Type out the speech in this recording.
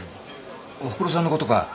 おふくろさんのことか。